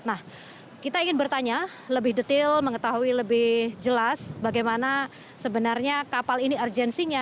nah kita ingin bertanya lebih detail mengetahui lebih jelas bagaimana sebenarnya kapal ini urgensinya